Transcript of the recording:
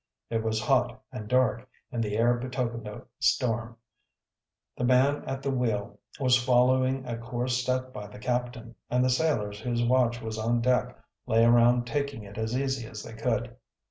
It was hot and dark, and the air betokened a storm. The man at the wheel was following a course set by the captain, and the sailors whose watch was on deck lay around taking it as easy as they could.